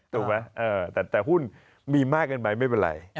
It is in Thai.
ถูกไหมแต่หุ้นมีมากเกินไปไม่เป็นไร